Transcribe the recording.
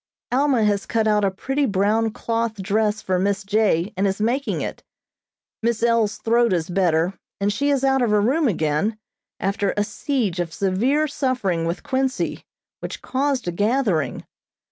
Alma has cut out a pretty brown cloth dress for Miss J. and is making it. Miss L.'s throat is better, and she is out of her room again, after a siege of severe suffering with quinsy, which caused a gathering.